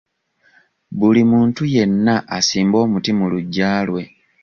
Buli muntu yenna asimbe omuti mu lugya lwe